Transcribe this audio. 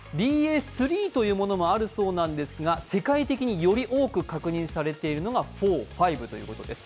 ＢＡ．３というものもあるそうなんですが世界的により多く確認されているのが４、５ということだそうです。